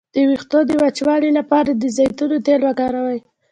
د ویښتو د وچوالي لپاره د زیتون تېل وکاروئ